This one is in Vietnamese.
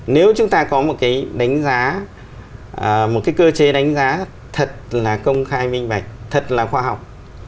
nếu chúng ta có một cái đánh giá một cái cơ chế đánh giá thật là công khai minh bạch thật là khoa học